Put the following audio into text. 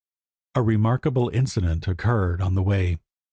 A remarkable incident occurred on the way.